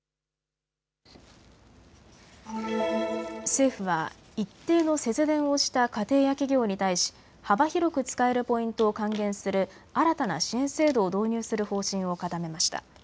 政府は一定の節電をした家庭や企業に対し幅広く使えるポイントを還元する新たな支援制度を導入する方針を固めました。